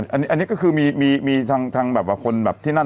อันนี้ก็คือมีทางแบบว่าคนแบบที่นั่น